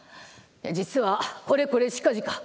実はこれこれしかじか。